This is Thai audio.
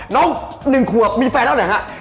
น้อง๑ขวบมีแฟนแล้วไหนฮะ